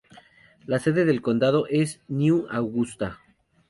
La sede del condado es New Augusta.